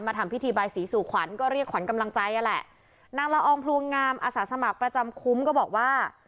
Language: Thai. ทำพิธีบายศรีสู่ขวัญก็เรียกขวัญกำลังใจนั่นแหละนางละอองพลวงงามอาสาสมัครประจำคุ้มก็บอกว่า